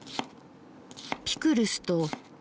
ピクルスと。